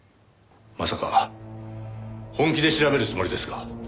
まさか本気で調べるつもりですか？